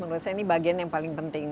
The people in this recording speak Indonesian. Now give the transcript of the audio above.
menurut saya ini bagian yang paling penting